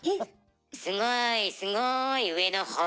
すごいすごい上のほう。